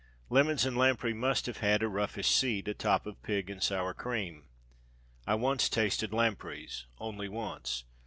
"Lemons and lamprey" must have had a roughish seat, atop of pig and sour cream. I once tasted lampreys only once.